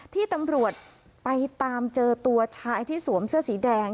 ที่ตำรวจไปตามเจอตัวชายที่สวมเสื้อสีแดง